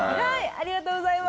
ありがとうございます。